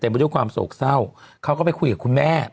ไปด้วยความโศกเศร้าเขาก็ไปคุยกับคุณแม่